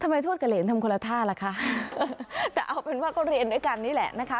ทวดกับเหรนทำคนละท่าล่ะคะแต่เอาเป็นว่าก็เรียนด้วยกันนี่แหละนะคะ